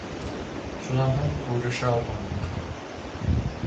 Шунан һуң күрешә алманыҡ.